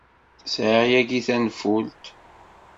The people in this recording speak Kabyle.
Sɛiɣ yagi tanfult.